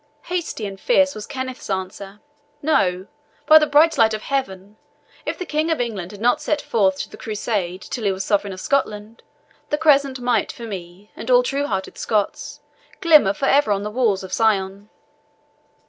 Hasty and fierce was Kenneth's answer. "No, by the bright light of Heaven! If the King of England had not set forth to the Crusade till he was sovereign of Scotland, the Crescent might, for me, and all true hearted Scots, glimmer for ever on the walls of Zion."